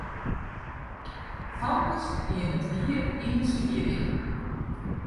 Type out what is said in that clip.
Famkes hiene it hier yn in skieding.